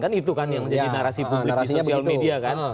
kan itu kan yang menjadi narasi publik di sosial media kan